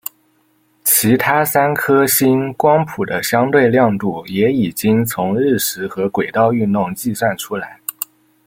其他三颗星光谱的相对亮度也已经从日食和轨道运动计算出来。